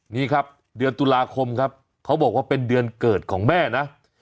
นี่ครับเดือนตุลาคมครับเขาบอกว่าเป็นเดือนเกิดของแม่นะ